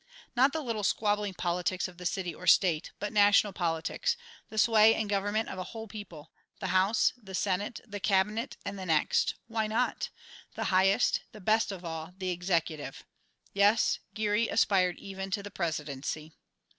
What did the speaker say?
Not the little squabbling politics of the city or state, but national politics, the sway and government of a whole people, the House, the Senate, the cabinet and the next why not? the highest, the best of all, the Executive. Yes, Geary aspired even to the Presidency.